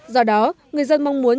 do đó người dân mong muốn